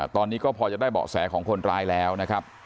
ตอนนี้ก็พอจะได้เบาะแสของคนร้ายแล้วนะครับ